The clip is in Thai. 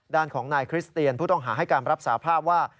ด้านของนายคริสเตียนผู้ต้องหาให้การรับสาภาพว่า